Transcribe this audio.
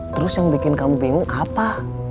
terus yang bikin kamu bingung apa